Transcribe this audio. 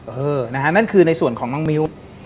เออนะฮะนั่นคือในส่วนของน้องมิ้ว